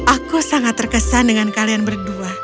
aku sangat terkesan dengan kalian berdua